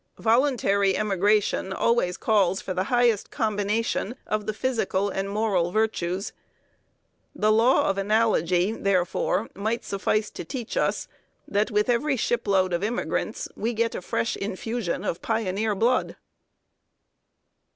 Voluntary emigration always calls for the highest combination of the physical and moral virtues. The law of analogy, therefore, might suffice to teach us that with every shipload of immigrants we get a fresh infusion of pioneer blood.